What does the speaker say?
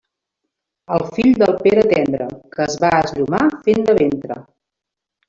El fill del Pere Tendre, que es va esllomar fent de ventre.